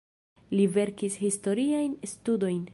Li verkis historiajn studojn.